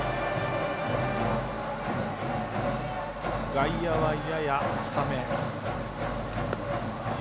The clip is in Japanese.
外野はやや浅め。